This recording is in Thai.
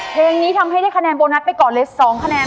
เพลงนี้ทำให้ได้คะแนนโบนัสไปก่อนเลย๒คะแนน